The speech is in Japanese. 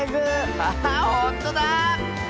アハほんとだ！